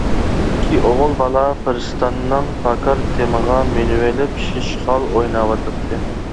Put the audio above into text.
ئىككى ئوغۇل بالا پىرىستاننىڭ پاكار تېمىغا مىنىۋېلىپ شىشىخال ئويناۋاتاتتى.